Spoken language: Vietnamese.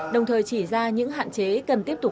đồng thời chỉ ra những hạn chế cần tiếp tục